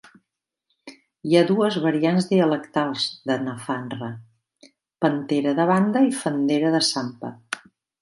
Hi ha dues variants dialectals de Nafaanra: Pantera de Banda i Fandera de Sampa.